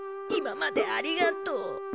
今までありがとう。